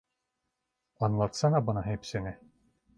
Anlatsana bana hepsini!